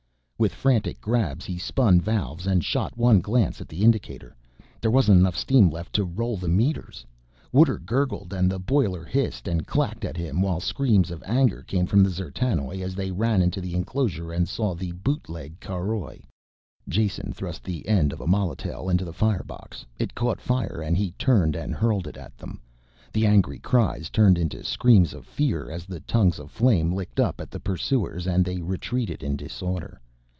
With frantic grabs he spun valves and shot one glance at the indicator: there wasn't enough steam left to roll the meters. Water gurgled and the boiler hissed and clacked at him while screams of anger came from the D'zertanoj as they ran into the enclosure and saw the bootleg caroj. Jason thrust the end of a molotail into the firebox; it caught fire and he turned and hurled it at them. The angry cries turned into screams of fear as the tongues of flame licked up at the pursuers and they retreated in disorder.